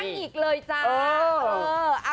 นั่งอีกเลยจ้า